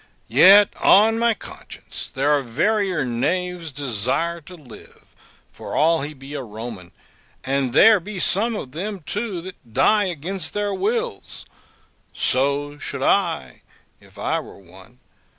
Yet, on my conscience, there are verier knaves desire to live, for all he be a Roman; and there be some of them too that die against their wills; so should I, if I were one.